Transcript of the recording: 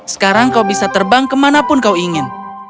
sekarang kau bisa terbang kemanapun kau ingin